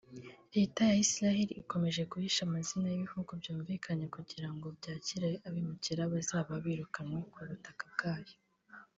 Leta ya Isiraheli ikomeza guhisha amazina y’ibihugu byumvikanye kugirango byakire abimukira bazaba birukanywe ku butaka bwayo